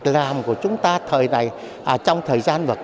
làm của chúng ta thời này trong thời gian vật tế